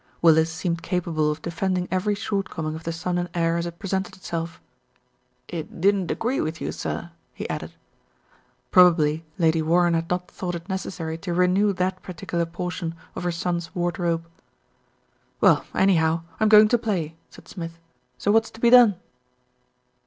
Willis seemed capable of defending every shortcoming of the son and heir as it presented itself. "It didn't agree with you, sir," he added. Probably Lady Warren had not thought it necessary to renew that particular portion of her son's wardrobe. "Well, anyhow, I'm going to play," said Smith, "so what's to be done?"